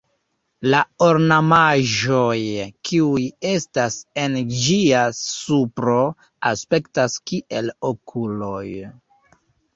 La ornamaĵoj kiuj estas en ĝia supro aspektas kiel okuloj.